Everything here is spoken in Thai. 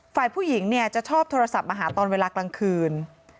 ฝ่ายผู้หญิงเนี่ยจะชอบโทรศัพท์มาหาตอนเวลากลางคืน